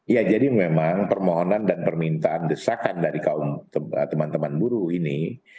ya jadi memang permohonan dan permintaan desakan dari kaum teman teman buruh ini